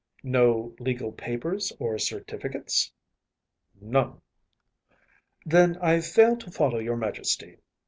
‚ÄĚ “No legal papers or certificates?‚ÄĚ ‚ÄúNone.‚ÄĚ “Then I fail to follow your Majesty.